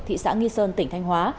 thị xã nghi sơn tỉnh thanh hóa